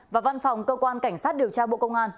và văn phòng cơ quan cảnh sát điều tra bộ công an